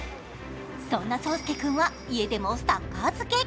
そんな颯亮君は家でもサッカー漬け。